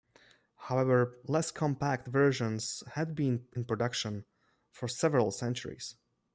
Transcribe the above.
However, less compact versions had been in production for several centuries.